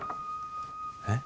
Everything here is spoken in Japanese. え？